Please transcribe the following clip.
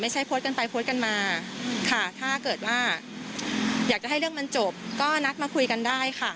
ใช้โพสต์กันไปโพสต์กันมาค่ะถ้าเกิดว่าอยากจะให้เรื่องมันจบก็นัดมาคุยกันได้ค่ะ